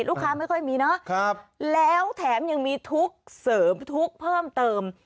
ไม่ค่อยมีเนาะแล้วแถมยังมีทุกข์เสริมทุกข์เพิ่มเติม